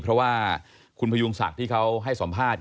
เพราะว่าคุณพยุงศักดิ์ที่เขาให้สัมภาษณ์